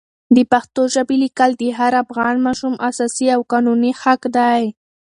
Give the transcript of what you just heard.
د پښتو ژبې لیکل د هر افغان ماشوم اساسي او قانوني حق دی.